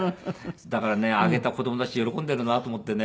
だからねあげた子供たち喜んでるなと思ってね。